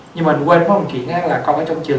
nhưng mà mình quên có một chuyện á là con ở trong trường